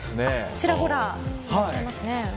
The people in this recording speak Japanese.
ちらほらいらっしゃいますね。